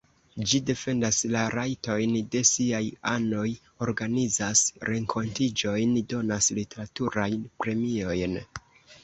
Ĝi defendas la rajtojn de siaj anoj, organizas renkontiĝojn, donas literaturajn premiojn.